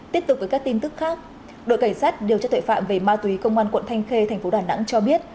tiếp tục với các tin tức khác đội cảnh sát điều tra tuệ phạm về ma túy công an quận thanh khê thành phố đà nẵng cho biết